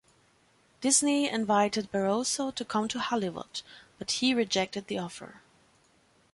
Disney invited Barroso to come to Hollywood, but he rejected the offer.